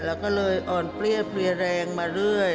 แล้วก็เลยอ่อนเปรี้ยเพลียแรงมาเรื่อย